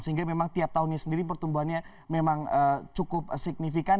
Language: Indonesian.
sehingga memang tiap tahunnya sendiri pertumbuhannya memang cukup signifikan